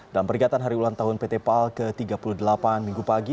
dalam peringatan hari ulang tahun pt pal ke tiga puluh delapan minggu pagi